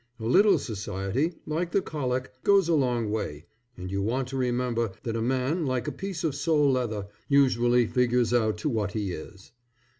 A little society, like the colic, goes a long way, and you want to remember that a man, like a piece of sole leather, usually figures out to what he is.